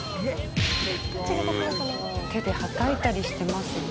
手ではたいたりしてますね。